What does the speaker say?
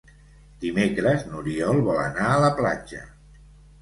Dimecres n'Oriol vol anar a la platja.